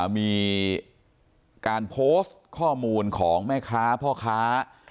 มีการโพสต์ข้อมูลของแม่ค้าพ่อค้า